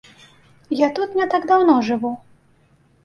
Я тут не так даўно жыву.